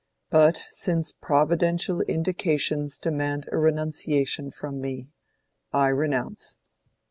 But since providential indications demand a renunciation from me, I renounce."